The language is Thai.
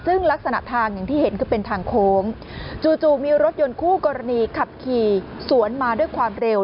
ซึ่งลักษณะทางอย่างที่เห็นคือเป็นทางโค้งจู่มีรถยนต์คู่กรณีขับขี่สวนมาด้วยความเร็ว